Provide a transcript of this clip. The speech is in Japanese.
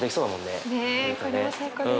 ねえこれも最高です。